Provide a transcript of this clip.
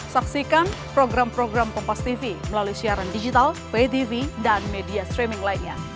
saksikan program program kompastv melalui siaran digital vtv dan media streaming lainnya